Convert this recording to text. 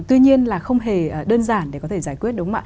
tuy nhiên là không hề đơn giản để có thể giải quyết